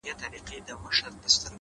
ستا د خنداوو ټنگ ټکور په سړي خوله لگوي